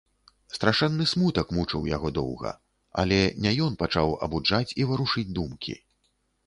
Страшэнны смутак мучыў яго доўга, але не ён пачаў абуджаць і варушыць думкі.